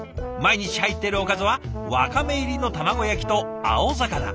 毎日入っているおかずはわかめ入りの卵焼きと青魚。